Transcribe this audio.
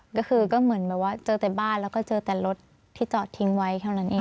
ก็คือก็เหมือนแบบว่าเจอแต่บ้านแล้วก็เจอแต่รถที่จอดทิ้งไว้เท่านั้นเอง